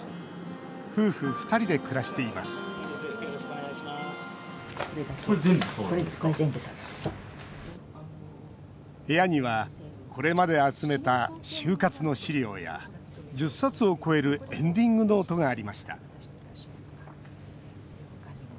夫婦２人で暮らしています部屋にはこれまで集めた終活の資料や１０冊を超えるエンディングノートがありました。